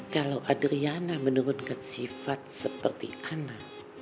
kalau adriana menurunkan sifat seperti anak